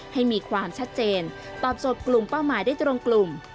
ให้มีความชัดเจนตอบโจทย์กลุ่มเป้าหมายได้ตรงกลุ่ม